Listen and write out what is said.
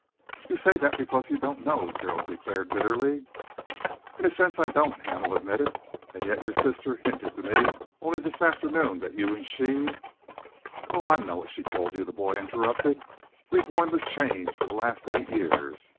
"You say that because you don't know," Gerald declared bitterly. "In a sense I don't," Hamel admitted, "and yet your sister hinted to me only this afternoon that you and she " "Oh, I know what she told you!" the boy interrupted. "We've worn the chains for the last eight years.